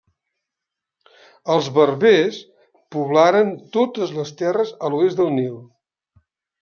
Els berbers poblaren totes les terres a l'oest del Nil.